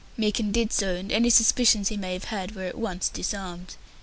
Meekin did so, and any suspicions he may have had were at once disarmed.